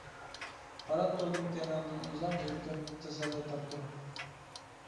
قاراپ تۇردۇم كەينىڭدىن ئۇزاق، يۈرىكىمنى تەسەللى تاپتۇرۇپ.